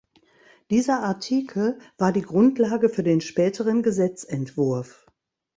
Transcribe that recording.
Dieser Artikel war die Grundlage für den späteren Gesetzentwurf.